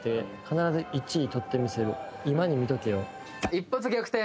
一発逆転